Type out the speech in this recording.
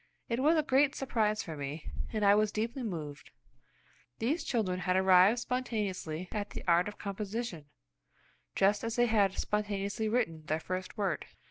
It was a great surprise for me, and I was deeply moved. These children had arrived spontaneously at the art of composition, just as they had spontaneously written their first word.